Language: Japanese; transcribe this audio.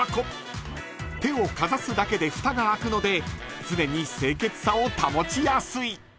［手をかざすだけでふたが開くので常に清潔さを保ちやすい］